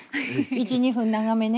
１２分長めね。